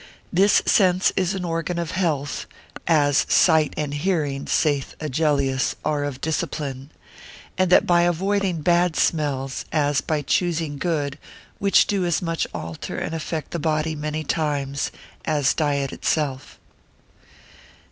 This sense is an organ of health, as sight and hearing, saith Agellius, are of discipline; and that by avoiding bad smells, as by choosing good, which do as much alter and affect the body many times, as diet itself.